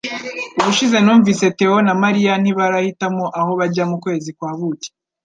Ubushize numvise, Theo na Mariya ntibarahitamo aho bajya mu kwezi kwa buki